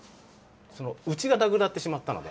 そのうちがなくなってしまったので。